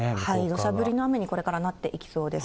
どしゃ降りの雨にこれからなっていきそうです。